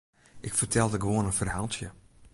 Ik fertelde gewoan in ferhaaltsje.